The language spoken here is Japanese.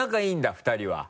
２人は。